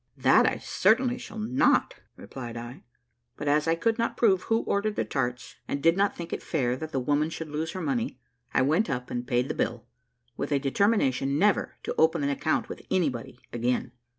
"That I certainly shall not," replied I; but as I could not prove who ordered the tarts, and did not think it fair that the woman should lose her money, I went up and paid the bill, with a determination never to open an account with anybody again.